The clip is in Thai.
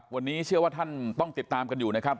วันนี้เชื่อว่าท่านต้องติดตามกันอยู่นะครับ